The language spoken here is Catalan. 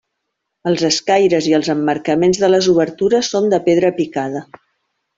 Els escaires i els emmarcaments de les obertures són de pedra picada.